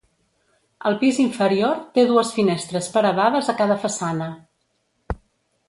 El pis inferior té dues finestres paredades a cada façana.